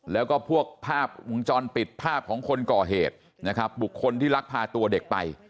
แล้วก็พวกภาพวงจรปิดภาพของคนก่อเหตุนะครับบุคคลที่ลักพาตัวเด็กไป